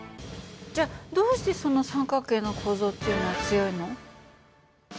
じゃあどうしてその三角形の構造っていうのは強いの？